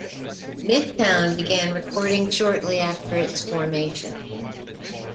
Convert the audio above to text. Midtown began recording shortly after its formation.